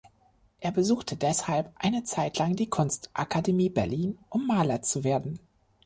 Er besuchte deshalb eine Zeitlang die Kunstakademie Berlin, um Maler zu werden.